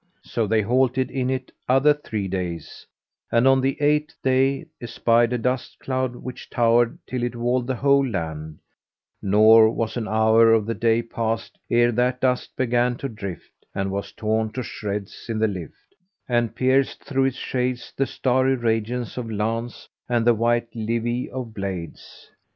So they halted in it other three days, and on the eighth they espied a dust cloud which towered till it walled the whole land; nor was an hour of the day past ere that dust began to drift and was torn to shreds in the lift, and pierced through its shades the starry radiance of lance and the white leven of blades.